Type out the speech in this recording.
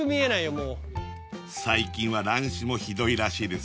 もう最近は乱視もひどいらしいですよ